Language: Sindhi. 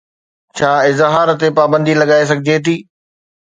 ڇا اظهار تي پابندي لڳائي سگهجي ٿي؟